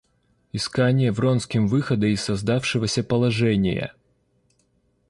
Искание Вронским выхода из создавшегося положения.